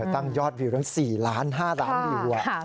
ตั้งยอดวิวทั้ง๔๕ล้านวิวอะ